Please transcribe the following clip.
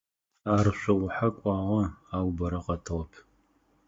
Ар шъоухьэ кӀуагъэ, ау бэрэ къэтыгъэп.